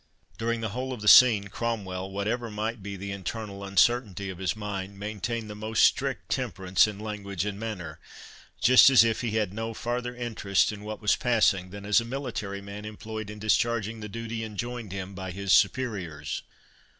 During the whole of the scene, Cromwell, whatever might be the internal uncertainty of his mind, maintained the most strict temperance in language and manner, just as if he had no farther interest in what was passing, than as a military man employed in discharging the duty enjoined him by his superiors.